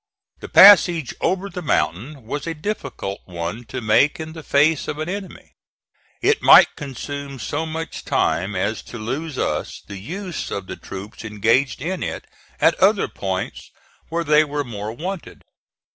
The passage over the mountain was a difficult one to make in the face of an enemy. It might consume so much time as to lose us the use of the troops engaged in it at other points where they were more wanted.